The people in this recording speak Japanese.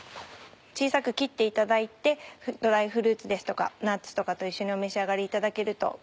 小さく切っていただいてドライフルーツですとかナッツとかと一緒にお召し上がりいただけると。